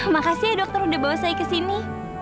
makasih dokter udah bawa saya kesini